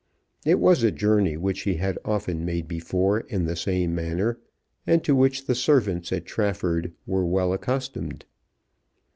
It was a journey which he had often made before in the same manner, and to which the servants at Trafford were well accustomed.